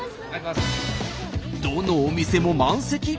どのお店も満席。